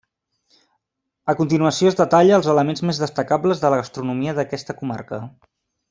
A continuació es detalla els elements més destacables de la gastronomia d'aquesta comarca.